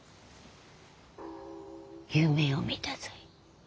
夢を見たぞい。